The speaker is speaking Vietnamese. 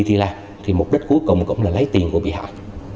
thì là thì mục đích cuối cùng cũng là lấy tiền của bị hại